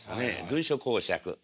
軍書講釈。